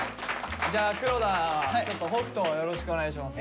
じゃあ黒田はちょっと北斗をよろしくお願いします。